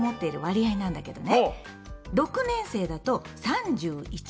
６年生だと３１％。は！